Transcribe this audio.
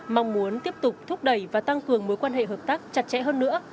mong muốn tiếp tục thúc đẩy và tăng cường mối quan hệ hợp tác chặt chẽ hơn nữa